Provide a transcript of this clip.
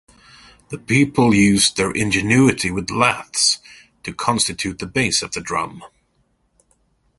The people used their ingenuity with laths, to constitute the base of the drum.